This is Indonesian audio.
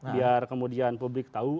biar kemudian publik tahu